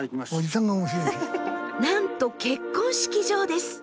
更になんと結婚式場です。